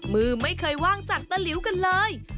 มือไม่เคยว่างจากตะหลิวกันเลย